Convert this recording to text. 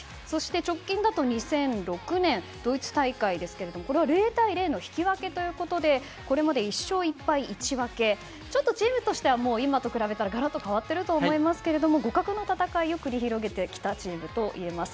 直近だと２００６年ドイツ大会ですが０対０の引き分けということでこれまで１勝１敗１分けちょっとチームとしては今と比べたら、がらっと変わっていると思いますが互角の戦いを繰り広げてきたチームといえます。